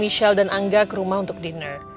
michelle dan angga ke rumah untuk dinner